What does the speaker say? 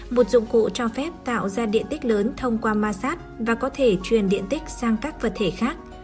một dụng cụ cho phép tạo ra điện tích lớn thông qua massad và có thể truyền điện tích sang các vật thể khác